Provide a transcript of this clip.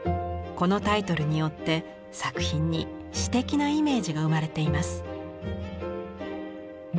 このタイトルによって作品に詩的なイメージが生まれています。